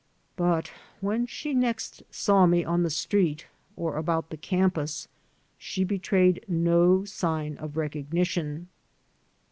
But when she next saw me on the street or about the campus she betrayed no sign of recognition.